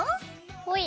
ほい。